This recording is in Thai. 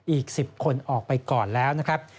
อีก๑๐คนออกไปก่อนแล้วนะครับ